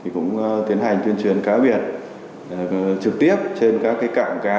cũng tiến hành tuyên truyền cá biển trực tiếp trên các cạm cá